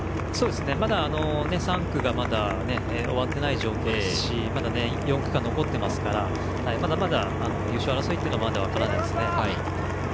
まだ３区が終わってない状況ですしまだ４区間残っていますからまだまだ優勝争いは分かりませんね。